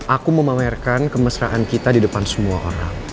aku memamerkan kemesraan kita di depan semua orang